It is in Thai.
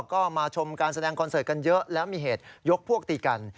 ก็มาชมการแสดงคอนเสิร์ตกันเยอะแล้วมีเหตุยกพวกตีกัน